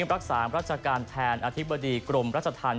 รักษาราชการแทนอธิบดีกลมราชภัณฑ์